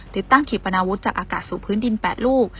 ติดตั้งขีปนาวุธจากอากาศสู่พื้นดิน๘ลูก